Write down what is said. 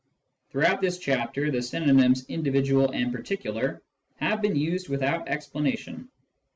Throughout this chapter the synonyms " individual " and " particular " have been used without explanation.